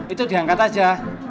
itu diangkat aja